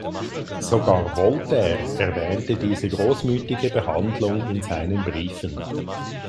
Sogar Voltaire erwähnte diese großmütige Behandlung in seinen Briefen.